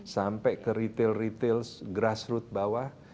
sampai ke retail retail grassroot bawah